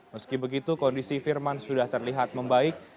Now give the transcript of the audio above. meski begitu kondisi firman sudah terlihat membaik